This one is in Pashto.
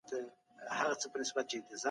په شینو ورځو کې ویټامن ډي اسانه ترلاسه کېږي.